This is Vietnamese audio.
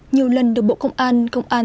nhiều lần được bộ công an công an